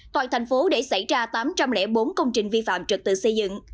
tòa thành phố đã xảy ra tám trăm linh bốn công trình vi phạm trật tự xây dựng